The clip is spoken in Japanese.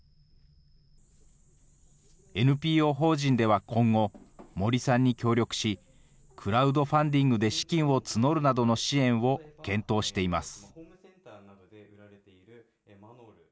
ＮＰＯ法人では今後、森さんに協力し、クラウドファンディングで資金を募るなどの支援を検討しています。